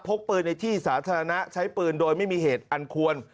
พกปืนในที่สาธารณะใช้ปืนโดยไม่มีเหตุอันควร